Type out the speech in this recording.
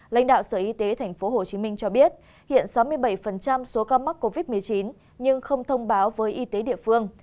lãnh đạo sở y tế tp hcm cho biết hiện sáu mươi bảy số ca mắc covid một mươi chín nhưng không thông báo với y tế địa phương